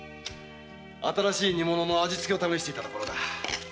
新しい煮物の味付けを試していたところだ。